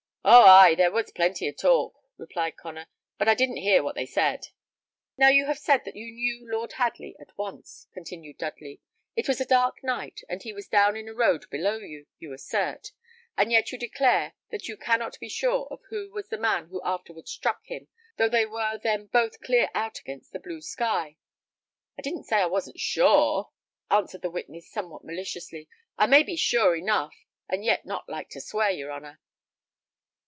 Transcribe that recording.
"Oh, ay! there was plenty of talk," replied Connor, "but I didn't hear what they said." "Now, you have said that you knew Lord Hadley at once," continued Dudley; "it was a dark night, and he was down in a road below you, you assert; and yet you declare that you cannot be sure of who was the man who afterwards struck him, though they were then both clear out against the blue sky." "I didn't say I wasn't sure," answered the witness, somewhat maliciously. "I may be sure enough, and yet not like to swear, your honour."